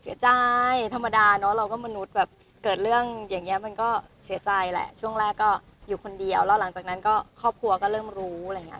เสียใจธรรมดาเนอะเราก็มนุษย์แบบเกิดเรื่องอย่างนี้มันก็เสียใจแหละช่วงแรกก็อยู่คนเดียวแล้วหลังจากนั้นก็ครอบครัวก็เริ่มรู้อะไรอย่างนี้